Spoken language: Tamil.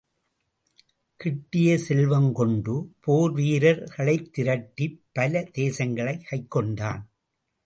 கிட்டிய செல்வங்கொண்டு போர்வீரர் களைத் திரட்டிப் பல தேசங்களைக் கைக்கொண்டான்.